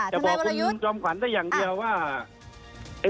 จะบอกคุณจอมขวัญได้อย่างเดียวว่า